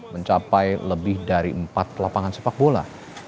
mencapai lebih dari empat lapangan sepak bola